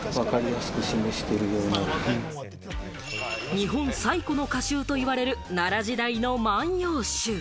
日本最古の歌集と呼ばれる奈良時代の『万葉集』。